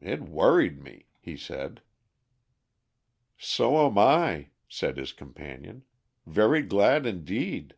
It worried me," he said. "So am I," said his companion, "very glad indeed."